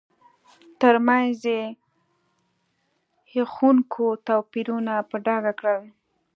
ترمنځ یې هیښوونکي توپیرونه په ډاګه کړل.